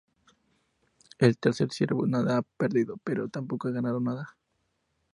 El tercer siervo nada ha perdido, pero tampoco ha ganado nada.